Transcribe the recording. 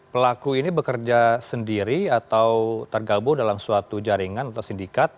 pelaku ini bekerja sendiri atau tergabung dalam suatu jaringan atau sindikat